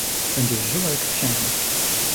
"Będziesz żyła, jak księżna“."